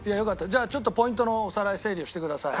じゃあポイントのおさらい整理をしてください。